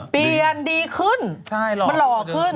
เปลี่ยนดีขึ้น